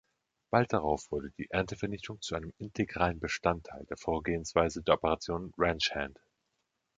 Bald darauf wurde die Erntevernichtung zu einem integralen Bestandteil der Vorgehensweise der Operation „Ranch Hand“.